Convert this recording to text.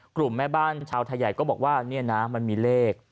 แม่บ้านชาวไทยใหญ่ก็บอกว่าเนี่ยนะมันมีเลข